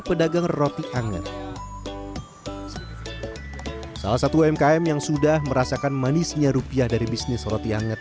pedagang roti anget salah satu mkm yang sudah merasakan manisnya rupiah dari bisnis roti anget